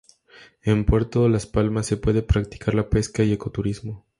En Puerto Las Palmas se puede practicar la pesca y ecoturismo.